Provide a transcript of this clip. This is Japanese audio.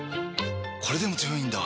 これでも強いんだ！